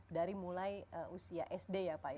dari mulai usia sd ya pak